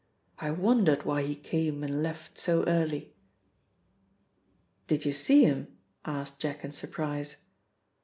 "I wondered why he came and left so early." "Did you see him?" asked Jack in surprise.